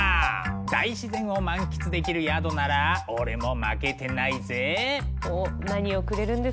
大自然を満喫できる宿ならオレも負けてないぜ！